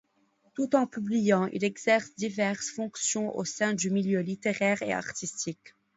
Tout en publiant, il exerce diverses fonctions au sein du milieu littéraire et artistique.